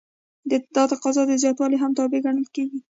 دا د تقاضا د زیاتوالي هم تابع ګڼل کیږي.